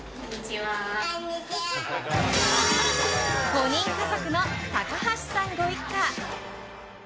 ５人家族の高橋さんご一家。